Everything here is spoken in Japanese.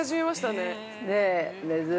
◆ねえ。